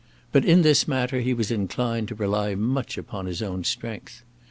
But in this matter he was inclined to rely much upon his own strength.